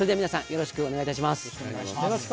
よろしくお願いします。